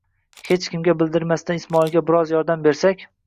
«Hech kimga bildirmasdan Ismoilga biroz yordam bersak».